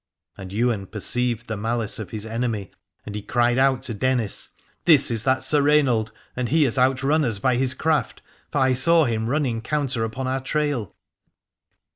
And Ywain per ceived the malice of his enemy and he cried out to Dennis : This is that Sir Rainald, and he has outrun us by his craft, for I saw him running counter upon our trail.